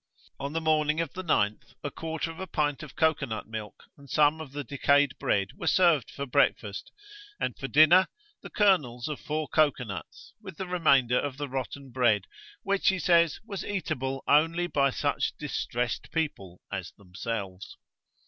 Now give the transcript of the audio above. On the morning of the 9th, a quarter of a pint of cocoa nut milk and some of the decayed bread were served for breakfast; and for dinner, the kernels of four cocoa nuts, with the remainder of the rotten bread, which, he says, was eatable only by such distressed people as themselves.